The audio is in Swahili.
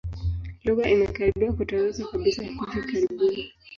Lugha imekaribia kutoweka kabisa hivi karibuni.